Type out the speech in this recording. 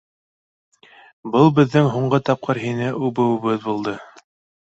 Был беҙҙең һуңғы тапҡыр һине үбеүебеҙ булды.